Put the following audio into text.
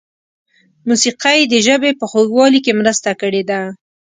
موسیقۍ د ژبې په خوږوالي کې مرسته کړې ده.